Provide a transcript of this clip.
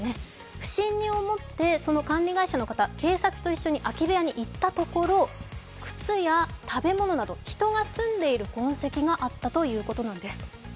不審に思ってその管理会社の方警察と一緒に空き部屋に行ったところ靴や食べ物など人が住んでいる痕跡があったということなんです。